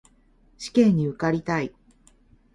試験に受かりたい